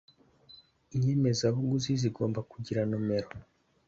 Inyemezabuguzi zigomba kugira nomero